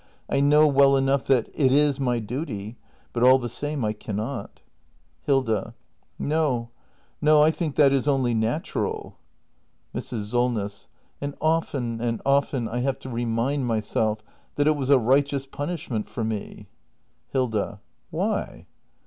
I know well enough that it is my duty — but all the same I cannot. Hilda. No, no, I think that is only natural. act in] THE MASTER BUILDER 393 Mrs. Solness. And often and often I have to remind myself that it was a righteous punishment for me Hilda. Why?